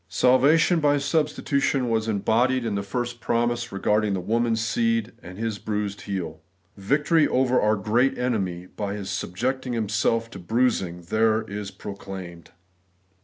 Salvation by substitution was embodied in the first promise regarding the woman's seed and his bruised heeL Victory over our great enemy, by His subjecting Himself to the bruising of that enemy, is then and there proclaimed.